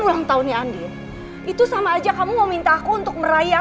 alhamdulillah sehat ma